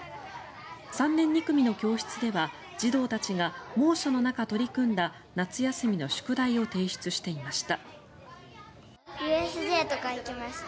３年２組の教室では児童たちが猛暑の中、取り組んだ夏休みの宿題を提出していました。